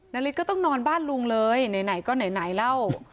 นาริสก็ต้องนอนบ้านลุงเลยไหนก็ไหนเล่า